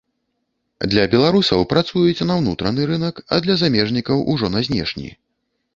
Для беларусаў працуюць на ўнутраны рынак, а для замежнікаў ужо на знешні.